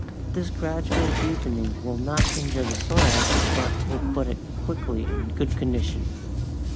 This gradual deepening will not injure the soil but will put it quickly in good condition.